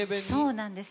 そうなんです。